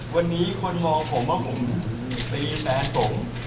วันนี้คนมองผมว่าผมตีแฟนผม